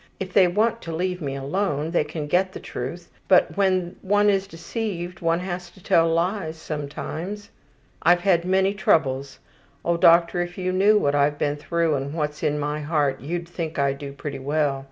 If they want to leave me alone, they can get the truth, but when one is deceived one has to tell lies sometimes. I've had many troubles. Oh, doctor, if you knew what I've been through and what's in my heart you'd think I do pretty well.